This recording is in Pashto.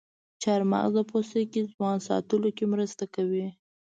چارمغز د پوستکي ځوان ساتلو کې مرسته کوي.